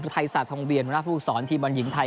ไทยศาสตทองเวียนหัวหน้าผู้สอนทีมบอลหญิงไทย